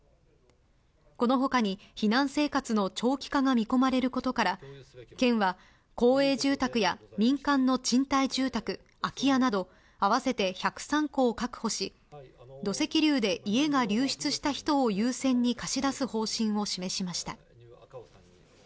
このほかに避難生活の長期化が見込まれることから、県は公営住宅や民間の賃貸住宅、空き家など、合わせて１０３戸を確保し、土石流で家が流失した人を優先に貸し出す方針を示しました。